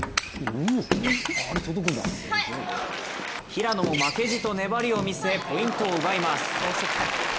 平野も負けじと粘りを見せポイントを奪います。